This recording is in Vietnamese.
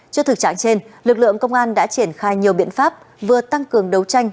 trước thực trạng trên lực lượng công an đã triển khai nhiều biện pháp vừa tăng cường đấu tranh